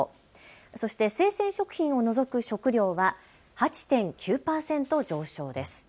そして生鮮食品を除く食料は８．９％上昇です。